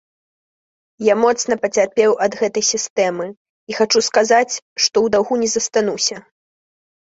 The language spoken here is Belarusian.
Я моцна пацярпеў ад гэтай сістэмы, і хачу сказаць, што ў даўгу не застануся.